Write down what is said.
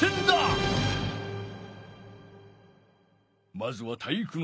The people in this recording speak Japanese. まずは体育ノ